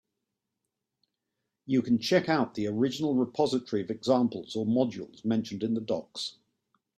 You can check out the original repository of examples or modules mentioned in the docs.